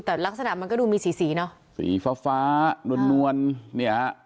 แต่ลักษณะมันก็ดูมีสีสีเนอะสีฟ้าฟ้านวลนวลเนี่ยฮะ